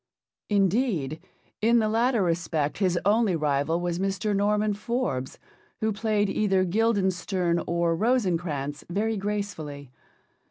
Indeed, in the latter respect his only rival was Mr. Norman Forbes, who played either Guildenstern or Rosencrantz very gracefully.